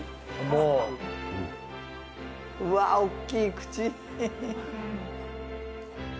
うわおっきい口。